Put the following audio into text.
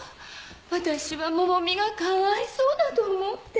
私は百美がかわいそうだと思って。